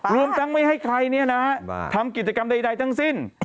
รวมทั้งไม่ให้ใครทำกิจกรรมใดทั้งสิ้น